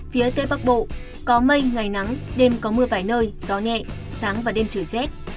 phía tây bắc bộ có mây ngày nắng đêm có mưa vài nơi gió nhẹ sáng và đêm trời rét